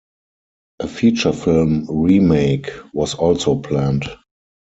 A feature film remake was also planned.